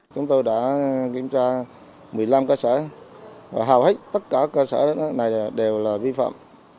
chúng tôi đã kiểm tra một mươi năm cơ sở và hầu hết tất cả cơ sở này đều là vi phạm